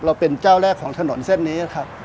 เราเป็นเจ้าแรกของถนนเส้นนี้นะครับ